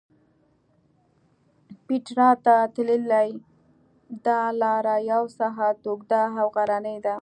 پېټرا ته تللې دا لاره یو ساعت اوږده او غرنۍ ده.